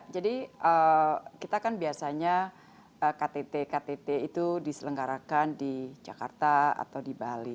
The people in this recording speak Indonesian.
kita kan biasanya ktt ktt itu diselenggarakan di jakarta atau di bali